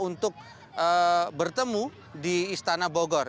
untuk bertemu di istana bogor